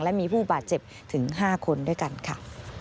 และมีผู้บาดเจ็บถึง๕คนด้วยกันค่ะ